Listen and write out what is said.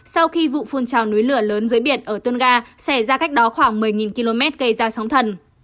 sau khi vụ phun trào núi lửa lớn dưới biển ở tunga xảy ra cách đó khoảng một mươi km gây ra sóng thần